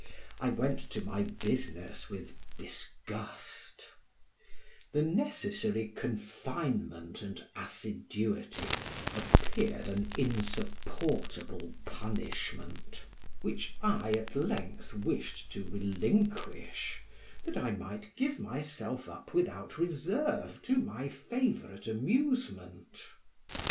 I went to my business with disgust, the necessary confinement and assiduity appeared an insupportable punishment, which I at length wished to relinquish, that I might give myself up without reserve to my favorite amusement.